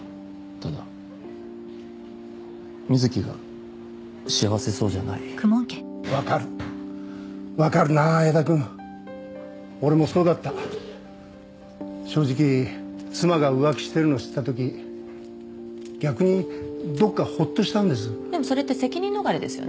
ただ瑞貴が幸せそうじゃないわかるわかるなあ江田君俺もそうだった正直妻が浮気してるの知ったとき逆にどっかホッとしたんですでもそれって責任逃れですよね